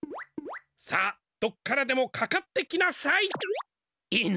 さあどっからでもかかってきなさい！